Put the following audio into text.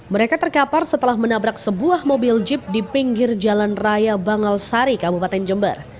mereka terkapar setelah menabrak sebuah mobil jeep di pinggir jalan raya bangal sari kabupaten jember